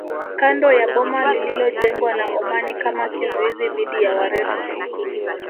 Kando ya boma lililojengwa na Omani kama kizuizi dhidi ya Wareno